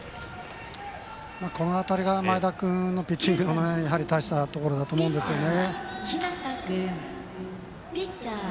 この辺りが前田君のピッチングの大したところだと思うんですよね。